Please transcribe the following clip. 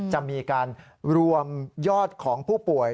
จะมีการรวมยอดของผู้ป่วย